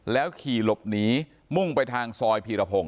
ขี่หลบหนีมุ่งไปทางซอยพีรพงศ